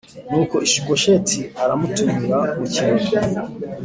Nuko Ishibosheti aramutumira mu kirori